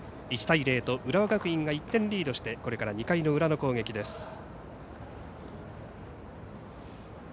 １対０と浦和学院が１点リードしてこれから２回の裏の攻撃です。